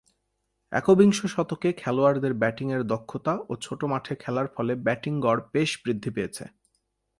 একবিংশ শতকে খেলোয়াড়দের ব্যাটিংয়ে দক্ষতা ও ছোট মাঠে খেলার ফলে ব্যাটিং গড় বেশ বৃদ্ধি পেয়েছে।